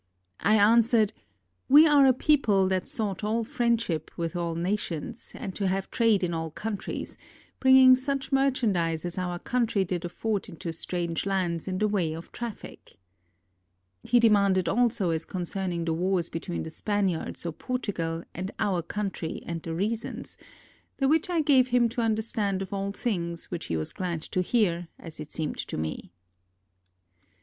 I answered: We are a people that sought all friendship with all na tions, and to have trade in all countries, bringing such merchandise as our country did afford into strange lands in the way of traffic. He demanded also as concerning the wars between the Spaniards or Portugal and our country and the reasons; the which I gave him to un derstand of all things, which he was glad to hear, as it seemed to me.